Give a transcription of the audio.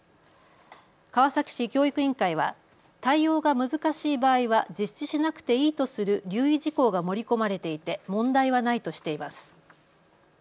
川崎市教育委員会は対応が難しい場合は実施しなくていいとする留意事項が盛り込まれていて問題はないとしています。